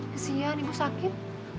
kesian ibu sakit